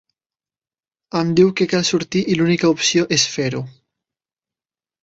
Em diu que cal sortir i l'única opció és fer-ho.